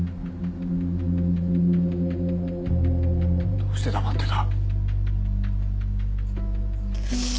どうして黙ってた？